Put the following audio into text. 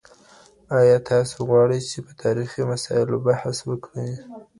آيا تاسو غواړئ چي په تاريخي مسائلو بحث وکړئ؟